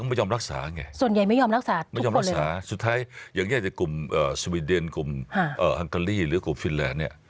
ส่วนใหญ่ไม่ยอมรักษาทุกคนไม่ยอมรักษาสุดท้ายอย่างแยกจะกลุ่มสวีเดนกลุ่มฮังกาลีหรือกลุ่มฟินแลนด์เนี่ย